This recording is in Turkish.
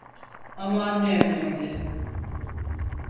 Aman ne önemli!